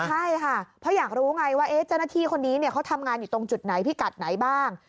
ใช่ค่ะเพราะอยากรู้ไงว่าเจ้าหน้าที่คนนี้เขาทำงานอยู่ตรงจุดไหนพิกัดไหนบ้าง